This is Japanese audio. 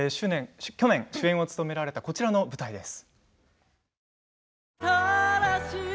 去年、主演を務められたこちらの舞台です。